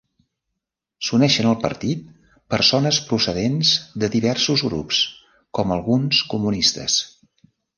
S'uneixen al partit persones procedents de diversos grups, com alguns comunistes.